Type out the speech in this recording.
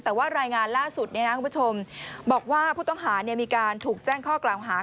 แต่ว่ารายงานล่าสุดคุณผู้ชมบอกว่าผู้ต้องหามีการถูกแจ้งข้อกล่าวหา